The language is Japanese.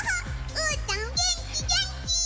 うーたんげんきげんき！